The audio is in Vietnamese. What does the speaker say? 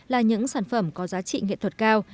là những sản phẩm có giá trị nghệ thuật cao